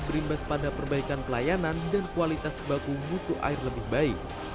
berimbas pada perbaikan pelayanan dan kualitas baku mutu air lebih baik